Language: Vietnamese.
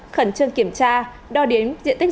khẩn trương kiểm tra đo đến diện tích rừng